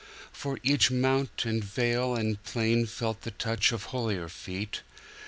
For each mount and vale and plain Felt the touch of holier feet.